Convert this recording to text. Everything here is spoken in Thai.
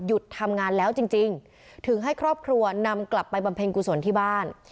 ทำงานแล้วจริงถึงให้ครอบครัวนำกลับไปบำเพ็ญกุศลที่บ้าน